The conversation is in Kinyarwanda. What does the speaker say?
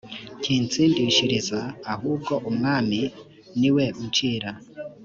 kintsindishiriza ahubwo umwami ni we uncira